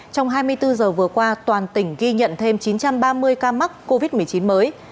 trong hai mươi bốn giờ vừa qua toàn tỉnh ghi nhận thêm chín trăm ba mươi ca mắc covid một mươi chín mới